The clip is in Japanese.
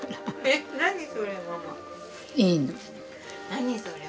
何それ？